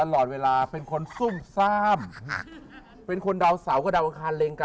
ตลอดเวลาเป็นคนสุ่มซ่ามเป็นคนเดาเสาร์เค้าเดาข้าวแหลงกัน